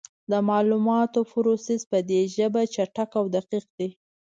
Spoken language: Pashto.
د معلوماتو پروسس په دې ژبه چټک او دقیق دی.